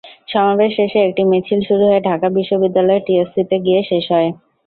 সমাবেশ শেষে একটি মিছিল শুরু হয়ে ঢাকা বিশ্ববিদ্যালয়ের টিএসসিতে গিয়ে শেষ হয়।